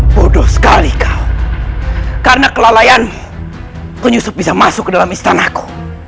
bodoh sekali kau karena kelalaianmu penyusup bisa masuk ke dalam istanaku